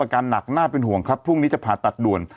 อาการหนักน่าเป็นห่วงครับพรุ่งนี้จะผ่าตัดด่วน